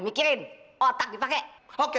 mikirin otak dipake